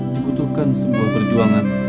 dikutuhkan sebuah perjuangan